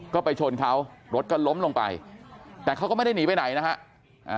ก็ไปชนเขารถก็ล้มลงไปแต่เขาก็ไม่ได้หนีไปไหนนะฮะ